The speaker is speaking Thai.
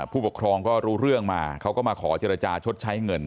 ผู้ปกครองก็รู้เรื่องมาเขาก็มาขอเจรจาชดใช้เงิน